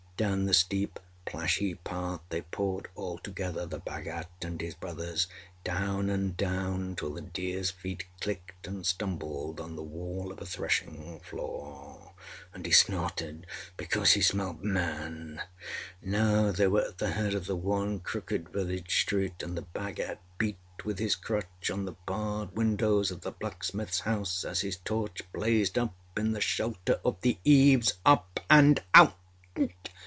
Down the steep, plashy path they poured all together, the Bhagat and his brothers, down and down till the deerâs feet clicked and stumbled on the wall of a threshing floor, and he snorted because he smelt Man. Now they were at the head of the one crooked village street, and the Bhagat beat with his crutch on the barred windows of the blacksmithâs house, as his torch blazed up in the shelter of the eaves. âUp and out!